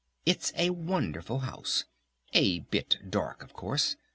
It's a wonderful house!... A bit dark of course!